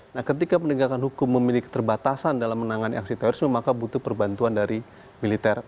nah ketika penegakan hukum memiliki keterbatasan dalam menangani aksi terorisme maka butuh perbantuan dari militer